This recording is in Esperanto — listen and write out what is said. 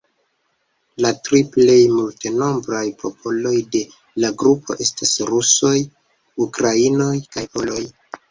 La tri plej multnombraj popoloj de la grupo estas rusoj, ukrainoj kaj poloj.